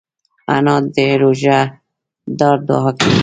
انا د روژهدار دعا کوي